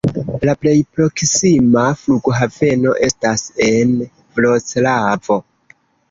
La plej proksima flughaveno estas en Vroclavo.